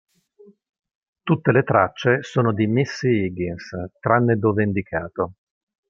Tutte le tracce sono di Missy Higgins, tranne dove indicato.